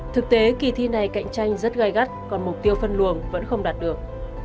thực tế kỳ thi này cạnh tranh rất gai gắt còn mục tiêu phân luồng vẫn không đạt được